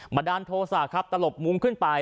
มาดานโทษ่าครับตลบมุ้งขึ้นไป